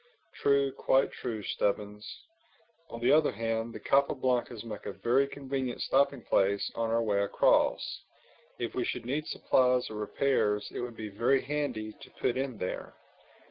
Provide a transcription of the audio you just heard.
"True, quite true, Stubbins. On the other hand, the Capa Blancas make a very convenient stopping place on our way across. If we should need supplies or repairs it would be very handy to put in there."